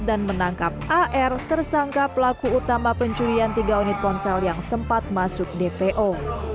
dan menangkap ar tersangka pelaku utama pencurian tiga unit ponsel yang sempat masuk dpo